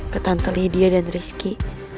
ke tante lydia dan rizky